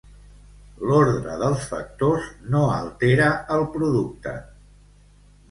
L'ordre dels factors no altera el producte.